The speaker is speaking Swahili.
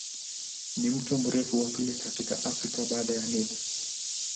Ni mto mrefu wa pili katika Afrika baada ya Nile.